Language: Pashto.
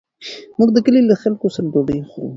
موږ د کلي له خلکو سره ډوډۍ وخوړه.